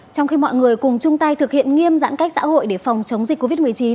trong khi mọi người cùng chung tay thực hiện nghiêm giãn cách xã hội để phòng chống dịch covid một mươi chín